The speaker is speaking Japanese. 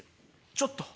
ちょっと！